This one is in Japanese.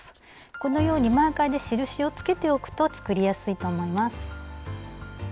このようにマーカーで印をつけておくと作りやすいと思います。